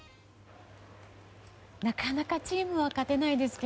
なかなかチームは勝てないですが。